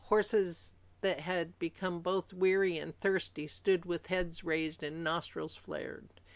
Horses that had become both weary and thirsty stood with heads raised and nostrils flared.